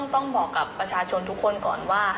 ต้องบอกกับประชาชนทุกคนก่อนว่า